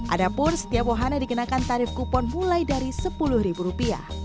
ada pun setiap wahana dikenakan tarif kupon mulai dari sepuluh ribu rupiah